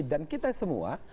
dan kita semua